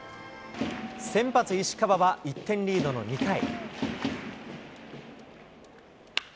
先発、石川は１点リードの２回。